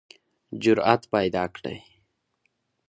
جرئت پیداکړئ